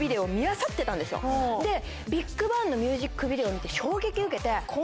ＢＩＧＢＡＮＧのミュージックビデオを見て衝撃受けて。